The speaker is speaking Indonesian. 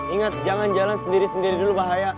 ingat jangan jalan sendiri sendiri dulu bahaya